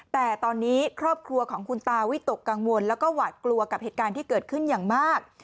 แต่ตอนนี้ครอบครัวของคุณตาวิตกกังวลแล้วก็หวาดกลัวกับเหตุการณ์ที่เกิดขึ้นอย่างมาก